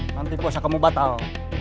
nanti puasa kamu batal